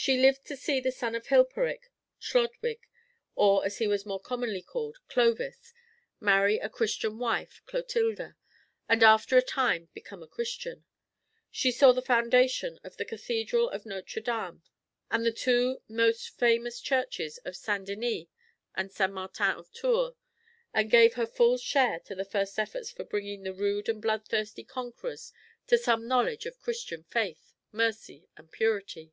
She lived to see the son of Hilperik, Chlodwig, or, as he was more commonly called, Clovis, marry a Christian wife, Clotilda, and after a time become a Christian. She saw the foundation of the Cathedral of Notre Dame, and of the two famous churches of St. Denys and of St. Martin of Tours, and gave her full share to the first efforts for bringing the rude and bloodthirsty conquerors to some knowledge of Christian faith, mercy, and purity.